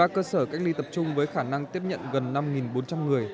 một mươi cơ sở cách ly tập trung với khả năng tiếp nhận gần năm bốn trăm linh người